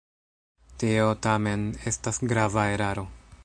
Tio, tamen, estas grava eraro.